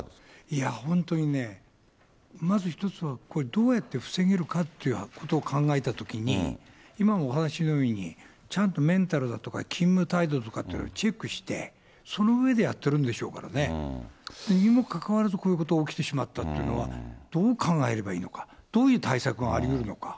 いや、本当にね、まず１つは、これどうやって防げるかっていうことを考えたときに、今もお話のように、ちゃんとメンタルだとか、勤務態度とかチェックして、その上でやってるんでしょうからね。にもかかわらず、こういうことが起きてしまったというのは、どう考えればいいのか、どういう対策がありうるのか。